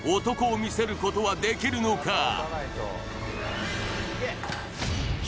男を見せることはできるのか！？